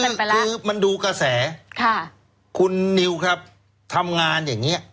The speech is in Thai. คือมันดูกระแสค่ะคุณนิวครับทำงานอย่างเงี้